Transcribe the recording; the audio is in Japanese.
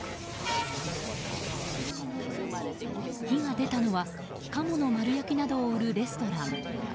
火が出たのはカモの丸焼きなどを売るレストラン。